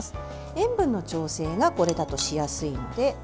塩分の調整がこれだとしやすいので。